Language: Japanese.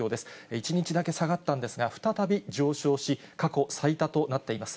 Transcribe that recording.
１日だけ下がったんですが、再び上昇し、過去最多となっています。